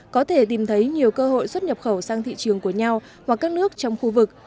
có thể tìm thấy nhiều cơ hội xuất nhập khẩu sang thị trường của nhau hoặc các nước trong khu vực